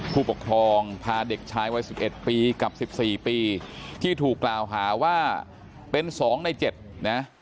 ผู้ปกครองพาเด็กชายวัยสิบเอ็ดปีกับสิบสี่ปีที่ถูกกล่าวหาว่าเป็นสองในเจ็ดนะฮะ